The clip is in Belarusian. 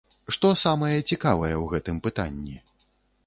Што самае цікавае ў гэтым пытанні?